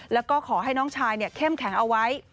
แล้วก็ขอให้น้องชายเข้มแข็งเอาไว้